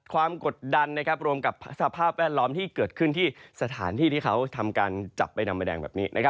กดดันรวมกับสภาพแวดล้อมที่เกิดขึ้นที่สถานที่ที่เขาทำการจับใบดำใบแดงแบบนี้